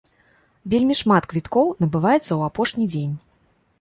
Вельмі шмат квіткоў набываецца ў апошні дзень.